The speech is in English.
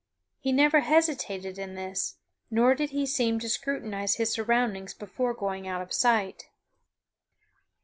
He never hesitated in this, nor did he seem to scrutinize his surroundings before going out of sight.